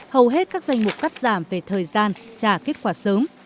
hầu hết các danh mục cắt giảm về thời gian trả kết quả sớm